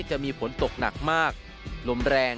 จะมีผลตกหนักลมแรง